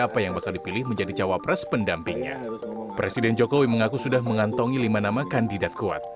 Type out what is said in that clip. presiden jokowi mengaku sudah mengantongi lima nama kandidat kuat